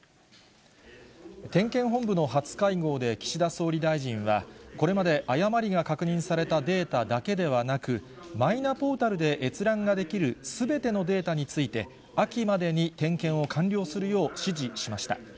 点検本部の初会合で岸田総理大臣は、これまで誤りが確認されたデータだけではなく、マイナポータルで閲覧ができるすべてのデータについて、秋までに点検を完了するよう指示しました。